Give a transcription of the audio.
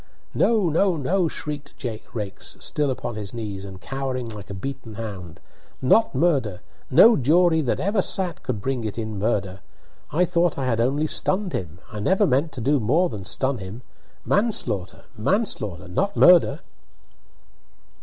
"No! no! no!" shrieked Raikes, still upon his knees, and cowering like a beaten hound, "Not murder! No jury that ever sat could bring it in murder. I thought I had only stunned him I never meant to do more than stun him! Manslaughter manslaughter not murder!"